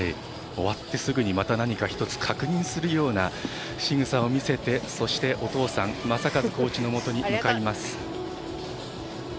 終わってすぐにまた何か１つ確認するようなしぐさを見せてそして、お父さん正和コーチのもとに向かいます。